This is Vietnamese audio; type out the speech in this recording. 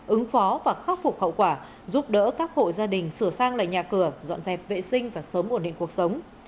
ứng phó và khắc phục hậu quả giúp đỡ các hộ gia đình sửa sang lại nhà cửa dọn dẹp vệ sinh và sớm ổn định cuộc sống